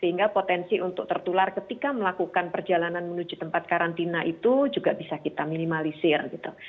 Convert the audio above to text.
sehingga potensi untuk tertular ketika melakukan perjalanan menuju tempat karantina itu juga bisa kita minimalisir gitu